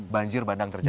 banjir bandang terjadi